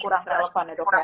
kurang relevan ya dok ya